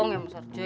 tidak mas arjo